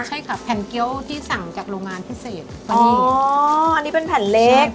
ใช่ค่ะแผ่นเกี้ยวที่สั่งจากโรงงานพิเศษตอนนี้อ๋ออันนี้เป็นแผ่นเล็ก